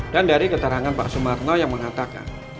dan dari keterangan pak sumarno yang mengatakan